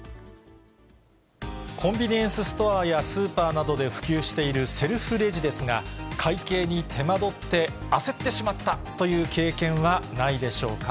コンビニエンスストアやスーパーなどで普及しているセルフレジですが、会計に手間取って焦ってしまったという経験はないでしょうか。